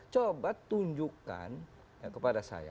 coba tunjukkan kepada saya